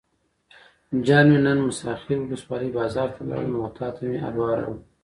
جان مې نن موسی خیل ولسوالۍ بازار ته لاړم او تاته مې حلوا راوړل.